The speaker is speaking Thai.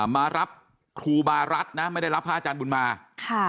มารับครูบารัฐนะไม่ได้รับพระอาจารย์บุญมาค่ะ